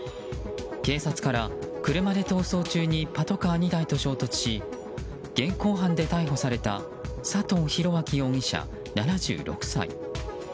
警察から車で逃走中にパトカー２台と衝突し現行犯で逮捕された佐藤広明容疑者、７６歳。